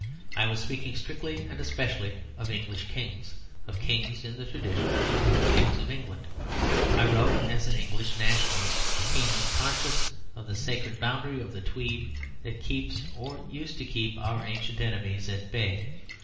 I was speaking strictly and especially of English Kings, of Kings in the tradition of the old Kings of England. I wrote as an English nationalist keenly conscious of the sacred boundary of the Tweed that keeps (or used to keep) our ancient enemies at bay.